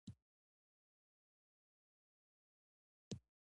د افغان کرکټ ټیم د خپلو مهارتونو سره یوه نوې پړاو ته رسېدلی دی.